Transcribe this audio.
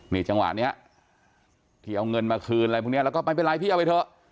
นี่จังหวะนี้ที่เอาเงินมาคืนอะไรพวกนี้แล้วก็ไม่เป็นไรพี่เอาไปเถอะ